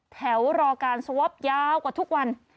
แถวรอการสวอปยาวกว่าทุกวัน